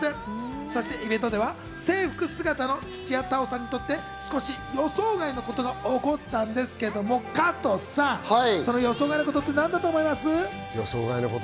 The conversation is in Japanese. そしてイベントでは制服姿の土屋太鳳さんにとって少し予想外のことが起こったんですけれども加藤さん、何だと思います？